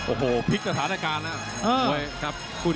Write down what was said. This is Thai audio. โอ้โหผลิกราศาชนาการนะครับคนคู่๕